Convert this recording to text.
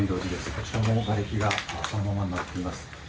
こちらも、がれきがそのままになっています。